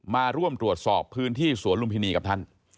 มาร่วมตรวจสอบพื้นที่สวนลุมพินีกับท่าน